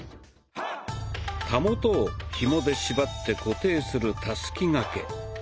たもとをひもで縛って固定する「たすき掛け」。